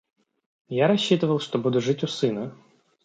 Я рассчитывал, что буду жить у сына.